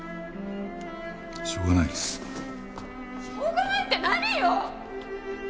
「しょうがない」って何よ！